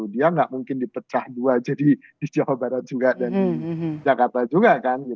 dia nggak mungkin dipecah dua jadi di jawa barat juga dan di jakarta juga kan